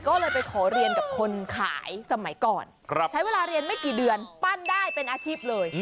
ก็เลยไปขอเรียนกับคนขายสมัยก่อนใช้เวลาเรียนไม่กี่เดือนปั้นได้เป็นอาชีพเลย